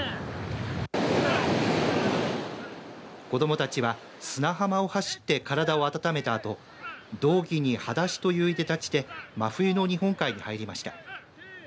子どもたちは砂浜を走って体を温めたあと胴着にはだしといういでたちで真冬の日本海に入りました。